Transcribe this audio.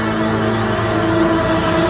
baik ayahanda prabu